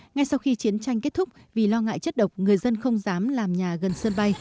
ngay sau khi chiến tranh kết thúc vì lo ngại chất độc người dân không dám làm nhà gần sân bay